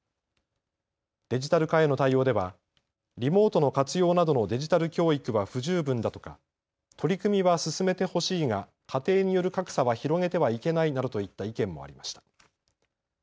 デジタル化への対応ではリモートの活用などのデジタル教育は不十分だとか取り組みは進めてほしいが家庭による格差は広げてはいけないなどといった意見もありました。